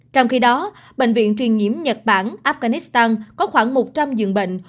trong khi đó bệnh viện truyền nhiễm nhật bản afghanistan có khoảng một trăm linh dường bệnh